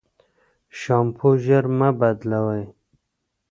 شامپو ژر مه بدلوی.